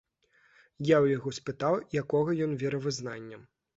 Я ў яго спытаў, якога ён веравызнання.